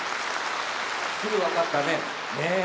すぐ分かったね。